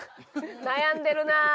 悩んでるなあ。